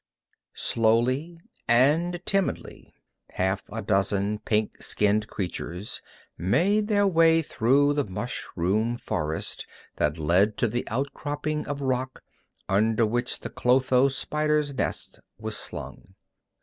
Slowly and timidly, half a dozen pink skinned creatures made their way through the mushroom forest that led to the outcropping of rock under which the clotho spider's nest was slung.